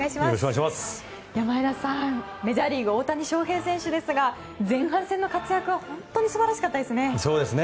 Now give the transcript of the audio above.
前田さん、メジャーリーグの大谷翔平選手ですが前半戦の活躍は本当に素晴らしかったですね。